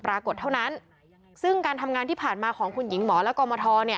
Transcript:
ปรากฏเท่านั้นซึ่งการทำงานที่ผ่านมาของคุณหญิงหมอและกรมทร